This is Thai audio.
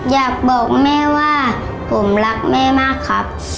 อยากบอกแม่ว่าผมรักแม่มากครับ